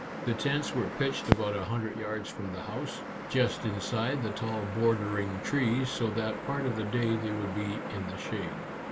The tents were pitched about a hundred yards from the house, just inside the tall bor dering trees, so that part of the day they would be in the shade.